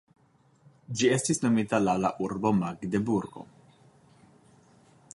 Ĝi estis nomita laŭ la urbo Magdeburgo.